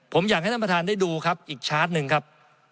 ผมอยากให้ท่านประธานได้ดูครับอีกชาร์จหนึ่งครับ